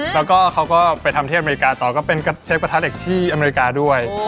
แล้วก็เขาก็ไปทำที่อเมริกาต่อก็เป็นเชฟกระทะเด็กที่อเมริกาด้วย